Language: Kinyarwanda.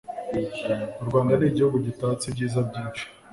U Rwanda ni igihugu gitatse ibyiza byinshi